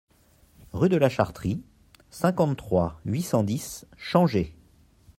Rue de la Chartrie, cinquante-trois, huit cent dix Changé